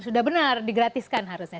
sudah benar digratiskan harusnya